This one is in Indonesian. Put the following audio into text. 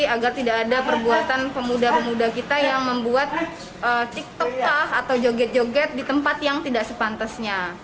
agar tidak ada perbuatan pemuda pemuda kita yang membuat ciktok kah atau joget joget di tempat yang tidak sepantasnya